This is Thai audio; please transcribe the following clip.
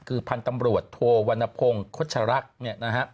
คือพันธุ์ตำรวจโทวนพงศ์โคชลักษณ์นะครับ